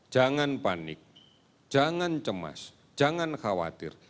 jangan panik jangan cemas jangan khawatir